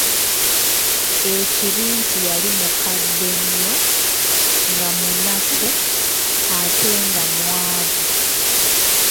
Ekibi nti yali mukadde nnyo, nga munafu ate nga mwavu.